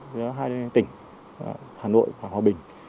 giữa hai tỉnh hà nội và hòa bình